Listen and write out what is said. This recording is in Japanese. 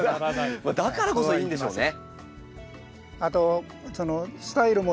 だからこそいいんでしょうね。